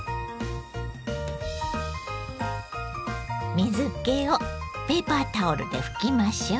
水けをペーパータオルで拭きましょう。